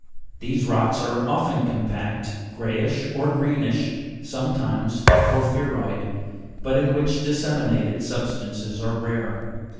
These rocks are most often compact, greyish or greenish, sometimes porphyroid, but in which disseminated substances are rare.